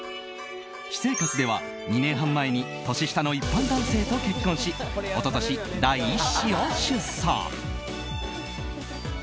私生活では２年半前に年下の一般男性と結婚し一昨年、第１子を出産。